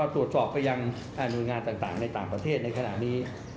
ตรวจสอบไปยังอาณุนิงานต่างในต่างประเทศขนาดนี้